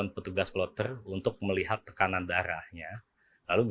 petugas kesehatan haji